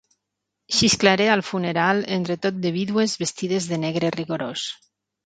Xisclaré al funeral entre tot de vídues vestides de negre rigorós.